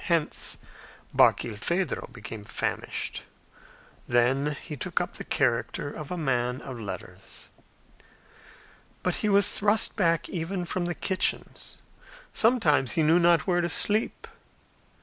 Hence Barkilphedro became famished. Then he took up the character of a man of letters. But he was thrust back even from the kitchens. Sometimes he knew not where to sleep.